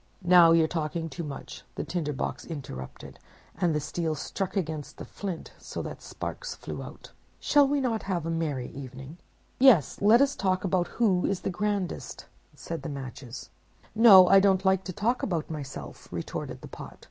'—'Now you're talking too much,' the Tinder box interrupted, and the steel struck against the flint, so that sparks flew out. 'Shall we not have a merry evening?' "'Yes, let us talk about who is the grandest,' said the Matches. "'No, I don't like to talk about myself,' retorted the Pot.